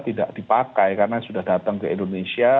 tidak dipakai karena sudah datang ke indonesia